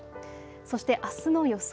そして、あすの予想